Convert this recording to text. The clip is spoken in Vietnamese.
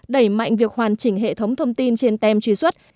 đẩy mạnh việc hoàn chỉnh hệ thống thông tin trên tem truy xuất